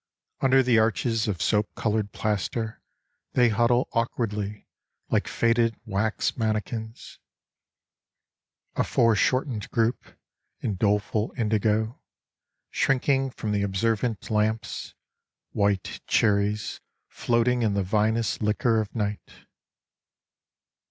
Under the arches of soap coloured plaster they huddle awkwardly like faded wax mannequins, A foreshortened group in doleful indigo, shrinking from the observant lamps, white cherries floating in the vinous liquor of night.